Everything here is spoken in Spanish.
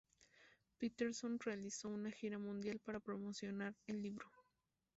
Peterson realizó una gira mundial para promocionar el libro.